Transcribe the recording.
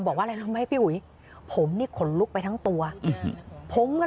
ไม่อยากให้แม่เป็นอะไรไปแล้วนอนร้องไห้แท่ทุกคืน